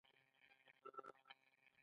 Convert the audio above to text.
خو ایران مقاومت کړی دی.